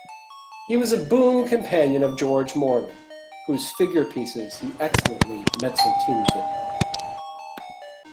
He was a boon companion of George Morland, whose figure-pieces he excellently mezzotinted.